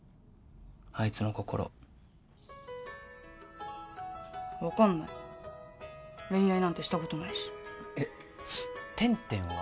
あいつの心分かんない恋愛なんてしたことないしえっｔｅｎｔｅｎは？